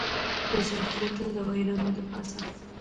د سرخ کوتل دویرانو دپاسه